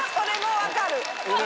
分かる！